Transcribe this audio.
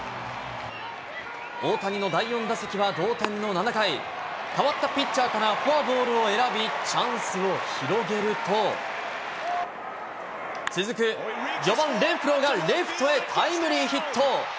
大谷の第４打席は同点の７回、変わったピッチャーからフォアボールを選び、チャンスを広げると、続く４番レンフローがレフトへタイムリーヒット。